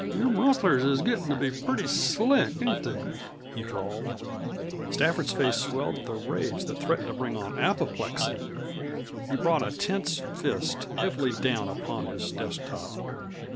"Them rustlers is gettin' to be pretty slick, ain't they?" he drawled. Stafford's face swelled with a rage that threatened to bring on apoplexy. He brought a tense fist heavily down upon his desk top.